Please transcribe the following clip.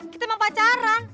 kita emang pacaran